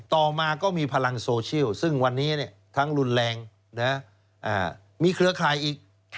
ต่อมาก็มีพลังโซเชียลซึ่งวันนี้ทั้งรุนแรงมีเครือข่ายอีก